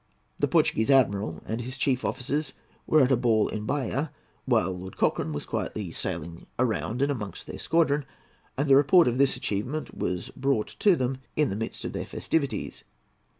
The Portuguese Admiral and his chief officers were at a ball in Bahia while Lord Cochrane was quietly sailing round and amongst their squadron, and the report of this achievement was brought to them in the midst of their festivities.